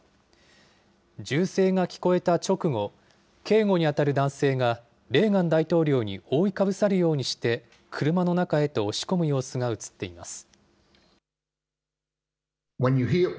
銃声が聞こえた直後、警護に当たる男性が、レーガン大統領に覆いかぶさるようにして、車の中へと押し込む様子が映っています。